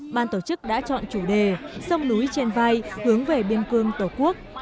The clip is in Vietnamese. ban tổ chức đã chọn chủ đề sông núi trên vai hướng về biên cương tổ quốc